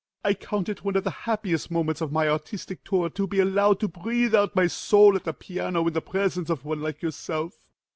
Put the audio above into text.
I count it one of the happiest moments of my artistic tour to be allowed to breathe out my soul at the piano, in the presence of one like yourself.